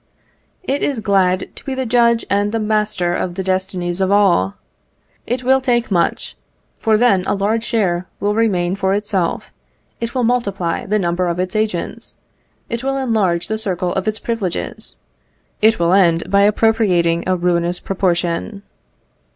It is glad to be the judge and the master of the destinies of all; it will take much, for then a large share will remain for itself; it will multiply the number of its agents; it will enlarge the circle of its privileges; it will end by appropriating a ruinous proportion.